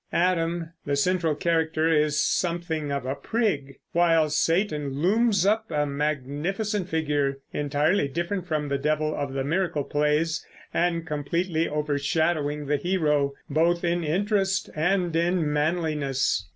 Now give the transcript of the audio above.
Adam, the central character, is something of a prig; while Satan looms up a magnificent figure, entirely different from the devil of the miracle plays and completely overshadowing the hero both in interest and in manliness.